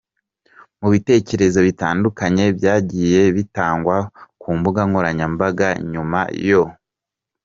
Mu bitekerezo bitandukanye byagiye bitangwa ku mbuga nkoranyambaga nyuma yo .